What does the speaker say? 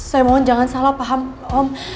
saya mohon jangan salah paham om